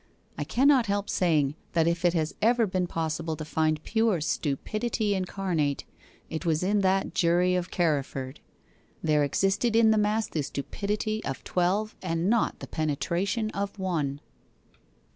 I cannot help saying that if it has ever been possible to find pure stupidity incarnate, it was in that jury of Carriford. There existed in the mass the stupidity of twelve and not the penetration of one.